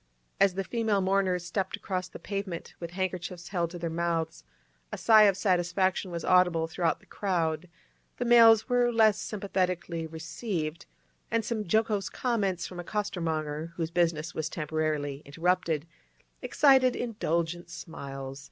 As the female mourners stepped across the pavement with handkerchiefs held to their mouths, a sigh of satisfaction was audible throughout the crowd; the males were less sympathetically received, and some jocose comments from a costermonger, whose business was temporarily interrupted, excited indulgent smiles.